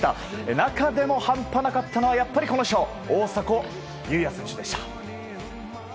中でも半端なかったのはやっぱりこの人、大迫勇也選手。